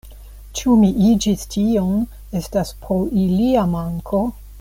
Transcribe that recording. Ĉu mi iĝis tion, estas pro ilia manko.